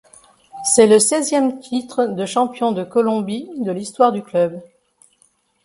C'est le seizième titre de champion de Colombie de l'histoire du club.